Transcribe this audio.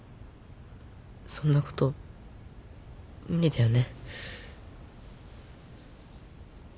そんなこと無理だよね。